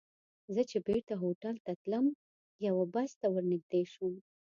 زه چې بېرته هوټل ته تلم، یوه بس ته ور نږدې شوم.